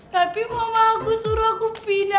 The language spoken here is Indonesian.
tapi mama aku suruh aku pindah